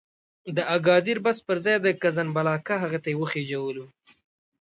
د اګادیر بس پر ځای د کزنبلاکه هغه ته وخېژولو.